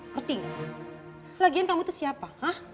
ngerti gak lagian kamu itu siapa